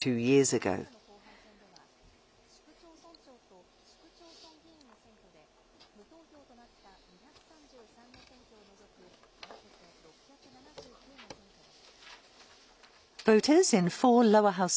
また、統一地方選挙の後半戦では、市区町村長と市区町村議員の選挙で、無投票となった２３３の選挙を除く、合わせて６７９の選挙です。